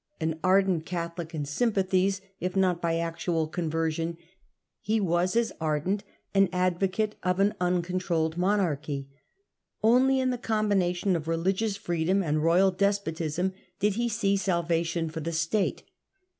An ardent Catholic in sympathies, if not by actual conversion, he was as ardent an advocate of an uncontrolled monarchy. ' Only in the combination of religious freedom and royal despotism did he see salvation for the State.